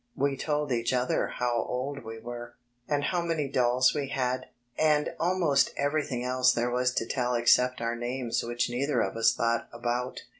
We told each other how old we were, and how many dolls we had, and almost everything else there was to tell except our names which neither of us thought about.